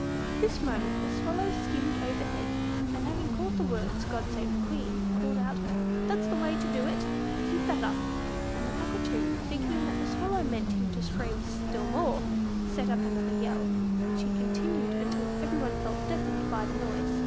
At this moment the Swallow skimmed overhead, and having caught the words "God save the Queen," called out, "That's the way to do it! keep that up" and the Cockatoo, thinking that the Swallow meant him to scream still more, set up another yell, which he continued until everyone felt deafened by the noise.